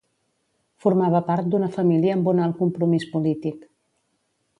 Formava part d’una família amb un alt compromís polític.